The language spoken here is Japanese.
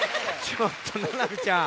ちょっとななみちゃん。